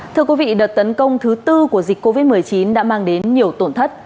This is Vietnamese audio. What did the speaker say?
thưa quý vị đợt tấn công thứ tư của dịch covid một mươi chín đã mang đến nhiều tổn thất